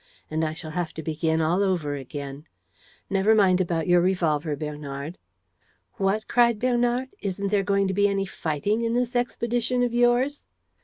. and I shall have to begin all over again. ... Never mind about your revolver, Bernard." "What!" cried Bernard. "Isn't there going to be any fighting in this expedition of yours?"